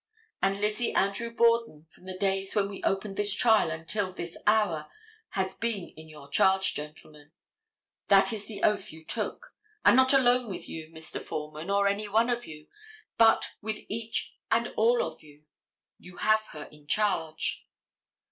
And Lizzie Andrew Borden from the days when we opened this trial until this hour, has been in your charge, gentlemen. That is the oath you took. And not alone with you, Mr. Foreman, or any one of you, but with each and all of you. You have her in charge.